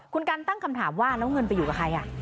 คุณกันตั้งคำถามว่าแล้วเงินไปอยู่กับใคร